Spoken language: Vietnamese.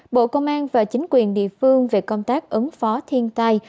bộ công an và chính quyền địa phương về công tác ứng phó thiên tai